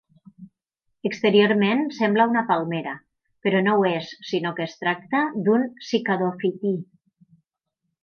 Exteriorment sembla una palmera però no ho és sinó que es tracta d'un cicadofití.